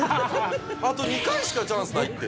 「あと２回しかチャンスないって」